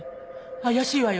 怪しいわよ。